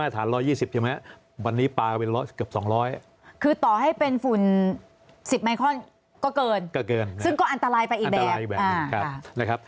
อันตรายอีกแบบนะครับ